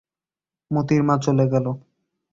মোতির মা চলে গেল।